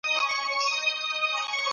زه د وخت قدر کوم او بېځايه يې نه ضايع کوم.